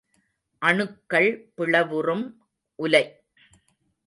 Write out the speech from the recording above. அணுக்கள் பிளவுறும் உலை.